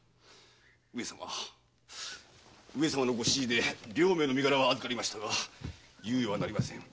上様上様のご指示で両名の身柄は預かりましたが猶予はなりません。